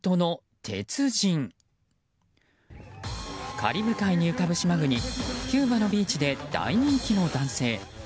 カリブ海に浮かぶ島国キューバのビーチで大人気の男性。